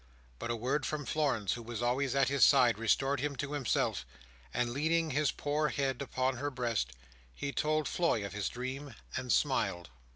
But a word from Florence, who was always at his side, restored him to himself; and leaning his poor head upon her breast, he told Floy of his dream, and smiled.